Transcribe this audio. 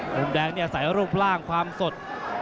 กลุ่มแรงเนี่ยใสรูปร่างความสด